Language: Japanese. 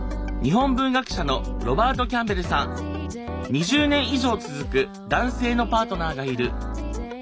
２０年以上続く男性のパートナーがいる。